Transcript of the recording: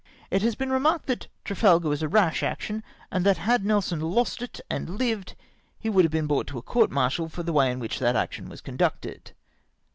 It has been remarked that Trafalgar was a rash action, and that had Nelson lost it and Kved he would have been brought to a court martial for the way in which that action was conducted.